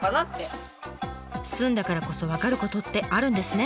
住んだからこそ分かることってあるんですね。